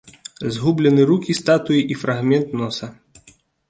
Згублены рукі статуі і фрагмент носа.